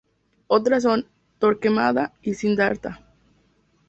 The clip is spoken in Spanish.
Otras son "Torquemada" y "Siddhartha".